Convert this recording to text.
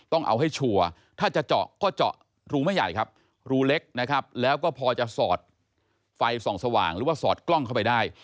ต้องเอาให้ชัวร์ถ้าจะเจาะก็เจาะรูไม่ใหญ่ครับรูเล็กนะครับแล้วก็พอจะสอดไฟส่องสว่างหรือว่าสอดกล้องเข้าไปได้